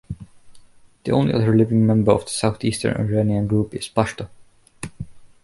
The only other living member of the Southeastern Iranian group is Pashto.